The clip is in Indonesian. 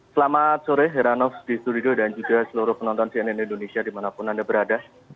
selamat sore heranov di studio dan juga seluruh penonton cnn indonesia dimanapun anda berada